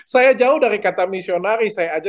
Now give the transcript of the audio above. saya jauh dari kata misionaris saya aja